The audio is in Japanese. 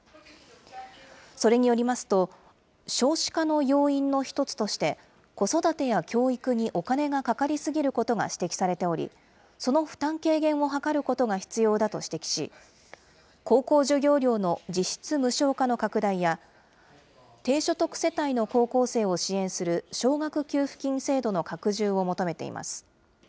それによりますと、少子化の要因の１つとして、子育てや教育にお金がかかり過ぎることが指摘されており、その負担軽減を図ることが必要だと指摘し、高校授業料の実質無償化の拡大や、低所得世帯の高校生を支援する奨学給付金制度の拡充を求めています。